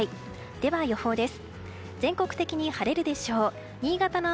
では、予報です。